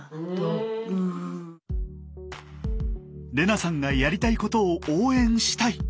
玲那さんがやりたいことを応援したい。